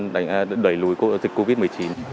đẩy lùi dịch covid một mươi chín